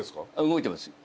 動いてますよ。